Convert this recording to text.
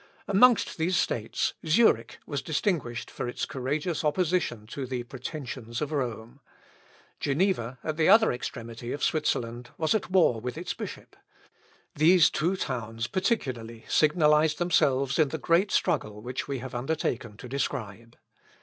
Amongst these states, Zurich was distinguished for its courageous opposition to the pretensions of Rome. Geneva, at the other extremity of Switzerland, was at war with its bishop. These two towns particularly signalised themselves in the great struggle which we have undertaken to describe.